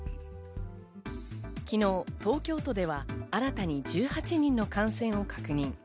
昨日、東京都では新たに１８人の感染を確認。